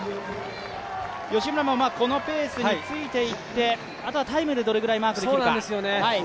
吉村もこのペースについていって、あとはタイムでどれくらいマークできるか。